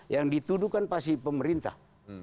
yang dituduhkan pasti pemerintah